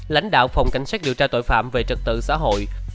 lãnh đạo phòng cảnh sát điều tra tội phạm về trật tự xã hội